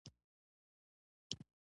بیا د اېشېدو تودوخې درجه ولیکئ.